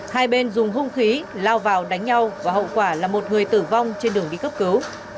hai bên dùng hung khí lao vào đánh nhau và hậu quả là một người tử vong trên đường đi cấp cứu